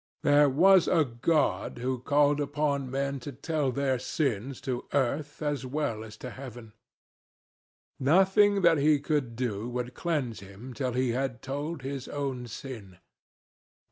There was a God who called upon men to tell their sins to earth as well as to heaven. Nothing that he could do would cleanse him till he had told his own sin.